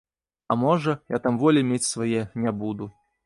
А можа, я там волі мець свае не буду.